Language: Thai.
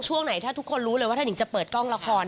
ช่วงไหนถ้าทุกคนรู้เลยว่าท่านหญิงจะเปิดกล้องละคร